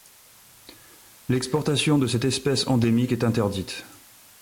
L'exportation de cette espèce endémique est interdite.